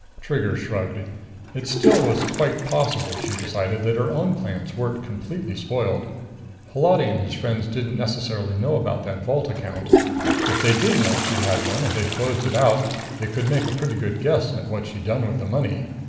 Trigger shrugged. It still was quite possible, she decided, that her own plans weren't completely spoiled. Holati and his friends didn't necessarily know about that vault account. If they did know she'd had one and had closed it out, they could make a pretty good guess at what she'd done with the money.